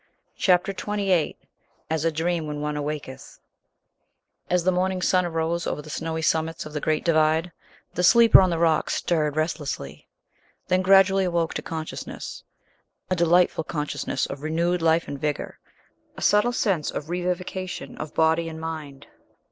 Chapter XXVIII "AS A DREAM WHEN ONE AWAKETH" As the morning sun arose over the snowy summits of the Great Divide, the sleeper on the rocks stirred restlessly; then gradually awoke to consciousness a delightful consciousness of renewed life and vigor, a subtle sense of revivification of body and mind.